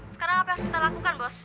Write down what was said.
sekarang apa yang kita lakukan bos